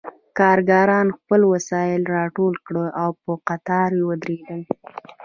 کارګرانو خپل وسایل راټول کړل او په قطار ودرېدل